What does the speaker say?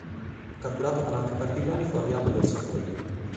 Catturato con altri partigiani fu avviato verso Forlì.